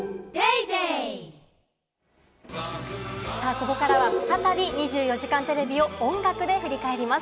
ここからは再び『２４時間テレビ』を音楽で振り返ります。